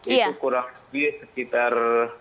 itu kurang lebih sekitar